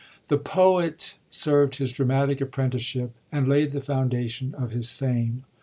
the poet servd his dramatic apprenticeship and laid the founda tions of his fame.